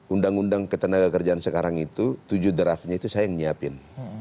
undang undang ketenaga kerjaan sekarang itu tujuh draftnya itu saya yang nyiapin